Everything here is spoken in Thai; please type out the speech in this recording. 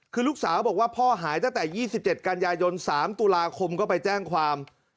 คือลูกสาวบอกว่าพ่อหายตั้งแต่๒๗กันยายน๓ตุลาคมก็ไปแจ้งความ